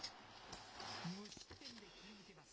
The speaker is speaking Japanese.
無失点で切り抜けます。